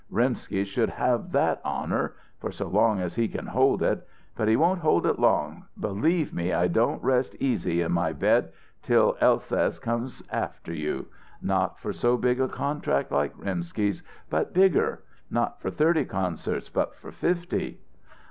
Rimsky should have that honour for so long as he can hold it. But he won't hold it long. Believe me, I don't rest easy in my bed till Elsass comes after you. Not for so big a contract like Rimsky's, but bigger not for thirty concerts but for fifty!"